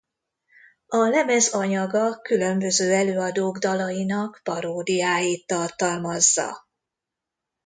A lemez anyaga különböző előadók dalainak paródiáit tartalmazza.